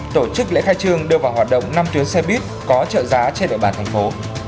tổ chức lễ khai trương đưa vào hoạt động năm tuyến xe buýt có trợ giá trên địa bàn thành phố